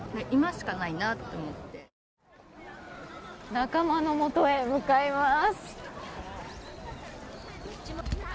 仲間のもとへ向かいます。